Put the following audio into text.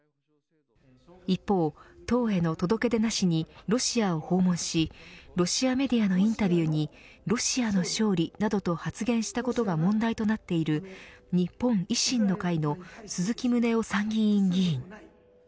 一方、党への届け出なしにロシアを訪問しロシアメディアのインタビューにロシアの勝利などと発言したことが問題となっている日本維新の会の鈴木宗男参議院議員。